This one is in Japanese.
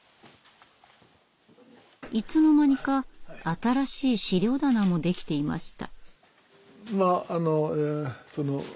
いつの間にか新しい資料棚もできていました。